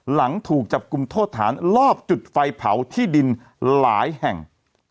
หลังถูกจับกลุ่มโทษฐานลอบจุดไฟเผาที่ดินหลายแห่ง